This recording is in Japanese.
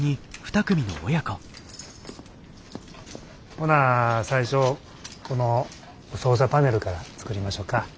ほな最初この操作パネルから作りましょか。